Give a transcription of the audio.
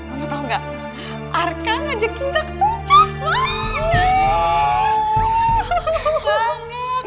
mama tau gak arka ngajak kita ke puncak